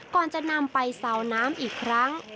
ก่อนจะนำไปซาวน้ำอีกครั้ง